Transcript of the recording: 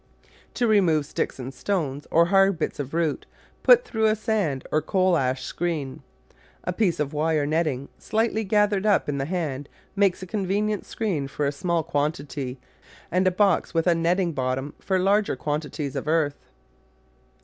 To remove sticks, stones, or hard bits of root put through a sand or coal ash screen. A piece of wire netting slightly gathered up in the hand makes a convenient screen for a small quantity and a box with a netting bottom for larger quantities of earth.